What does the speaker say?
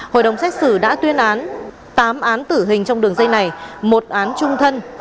hội đồng xét xử đã tuyên án tám án tử hình trong đường dây này một án trung thân